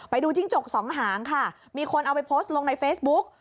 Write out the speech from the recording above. จิ้งจกสองหางค่ะมีคนเอาไปโพสต์ลงในเฟซบุ๊ก